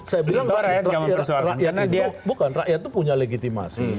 saya bilang rakyat itu punya legitimasi